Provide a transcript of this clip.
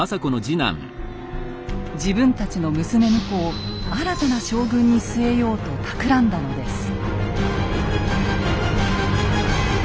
自分たちの娘婿を新たな将軍に据えようとたくらんだのです。